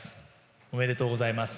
おめでとうございます。